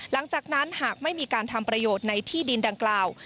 หลังจากนั้นหากไม่มีการทำประโยชน์ในที่ดินดังกล่าว